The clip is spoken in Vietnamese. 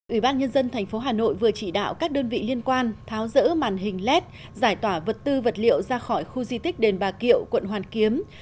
ủy ban nhân dân tp hà nội vừa chỉ đạo các đơn vị liên quan tháo rỡ màn hình led giải tỏa vật tư vật liệu ra khỏi khu di tích đền bà kiệu quận hoàn kiếm